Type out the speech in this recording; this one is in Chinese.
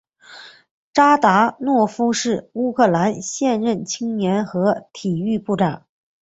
扎达诺夫是乌克兰现任青年和体育部长。